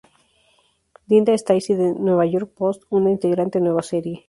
Linda Stasi de New York Post, una intrigante nueva serie.